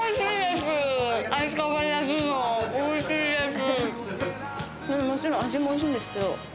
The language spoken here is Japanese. おいしいです。